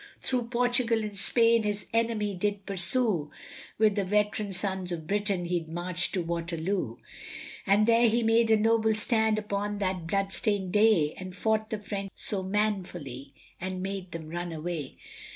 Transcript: Thro' Portugal and Spain his enemy did pursue, With the veteran sons of Britain he march'd to Waterloo, And there he made a noble stand upon that blood stain'd day, And fought the French so manfully and made them run away.